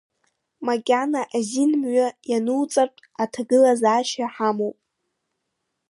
Макьана азин мҩа иануҵартә, аҭагыла-заашьа ҳамоуп.